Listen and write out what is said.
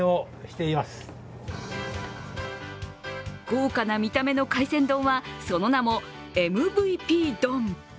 豪華な見た目の海鮮丼はその名もＭＶＰ丼。